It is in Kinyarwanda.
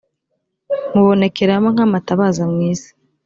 mubonekeramo nk amatabaza mu isi